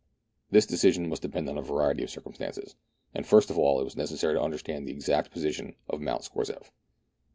This decision must depend on a variety of circumstances, and first of all it was necessary to understand exactly the position of Mount Scorzef.